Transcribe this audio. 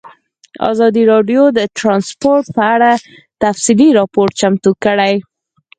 ازادي راډیو د ترانسپورټ په اړه تفصیلي راپور چمتو کړی.